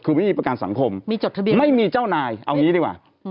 ไม่มีประการสังคมไม่มีเจ้านายเอานี้ดีกว่า